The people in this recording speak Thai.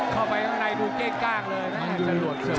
เข้าไปข้างในบูเก้กกล้างเลยน่าจะหลวดเสร็จ